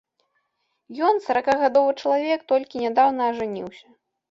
Ён, саракагадовы чалавек, толькі нядаўна ажаніўся.